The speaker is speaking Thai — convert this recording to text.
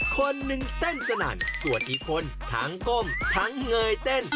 คนหนึ่งเต้นสนั่นส่วนอีกคนทั้งก้มทั้งเงยเต้น